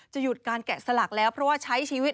หยุดการแกะสลักแล้วเพราะว่าใช้ชีวิต